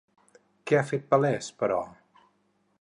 Què ha fet palès, però?